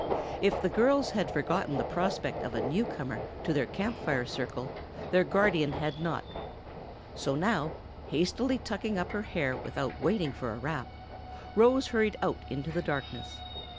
If the girls had forgotten the prospect of a newcomer to their Camp Fire circle their guardian had not, so now, hastily tucking up her hair without waiting for a wrap, Rose hurried out into the darkness.